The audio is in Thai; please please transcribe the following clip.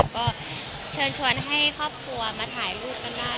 ก็เชิญชวนให้ครอบครัวมาถ่ายรูปกันได้